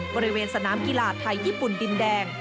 บริเวณสนามกีฬาไทยญี่ปุ่นดินแดง